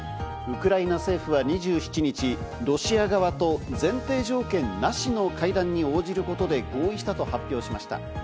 ウクライナ政府は２７日、ロシア側と前提条件なしの会談に応じることで合意したと発表しました。